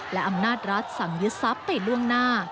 และอำนาจรัฐสั่งยึดทรัพย์ไปล่วงหน้า